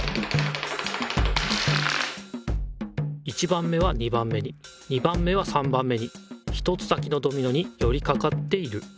１番目は２番目に２番目は３番目に１つ先のドミノによりかかっている。